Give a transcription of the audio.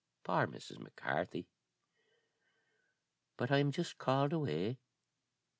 "Poor Mrs. Mac Carthy but I am just called away.